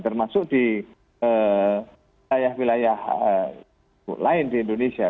termasuk di wilayah wilayah lain di indonesia